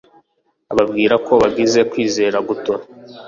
Ababwira ko bagize kwizera guto